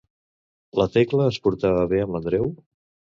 La Tecla es portava bé amb l'Andreu?